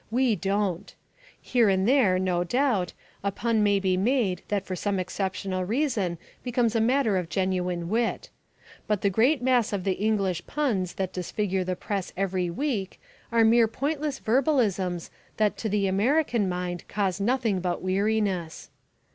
We don't. Here and there, no doubt, a pun may be made that for some exceptional reason becomes a matter of genuine wit. But the great mass of the English puns that disfigure the Press every week are mere pointless verbalisms that to the American mind cause nothing but weariness.